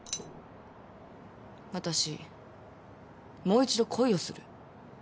私もう一度恋をする。